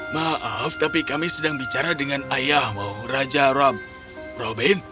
maaf tapi kami sedang bicara dengan ayahmu raja rob robin